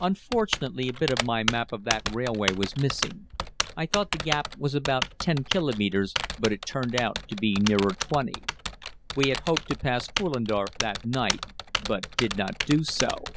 Unfortunately a bit of my map of that railway was missing. I thought the gap was about 10 kilometres, but it turned out to be nearer 20. We had hoped to pass Pfullendorf that night, but did not do so.